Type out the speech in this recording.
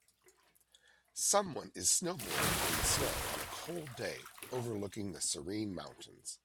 Someone is snowboarding in the snow on a cold day overlooking the serene mountains